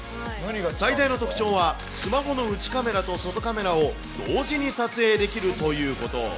最大の特徴は、スマホの内カメラと外カメラを同時に撮影できるということ。